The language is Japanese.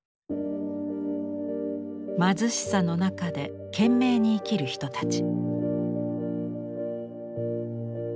貧しさの中で懸命に生きる人たち。